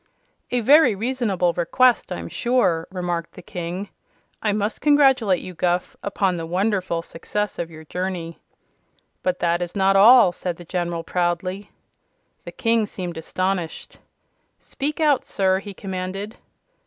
"A very reasonable request, I'm sure," remarked the King. "I must congratulate you, Guph, upon the wonderful success of your journey." "But that is not all," said the General, proudly. The King seemed astonished. "Speak out, sir!" he commanded.